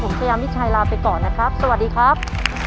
ผมชายามิชัยลาไปก่อนนะครับสวัสดีครับ